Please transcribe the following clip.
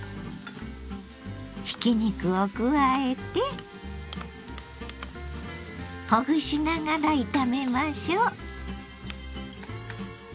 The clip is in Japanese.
ひき肉を加えてほぐしながら炒めましょう。